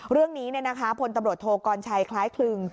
เรื่องนี้เนี่ยนะคะผลตำรวจโทกอนชัยคล้ายคลึง